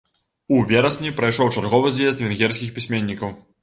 У верасні прайшоў чарговы з'езд венгерскіх пісьменнікаў.